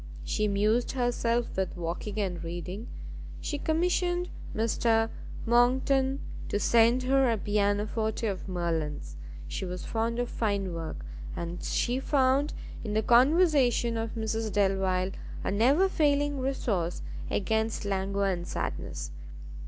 She amused herself with walking and reading, she commissioned Mr Monckton to send her a Piano Forte of Merlin's, she was fond of fine work, and she found in the conversation of Mrs Delvile a never failing resource against languor and sadness.